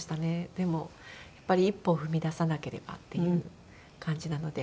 でも一歩踏み出さなければっていう感じなので。